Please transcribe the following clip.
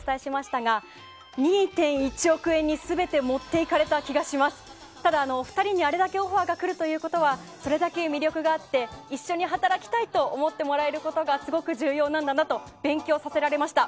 ただ、２人にあれだけオファーがくるということはそれだけ魅力があって一緒に働きたい思ってもらえることがすごく重要なんだなと勉強させられました。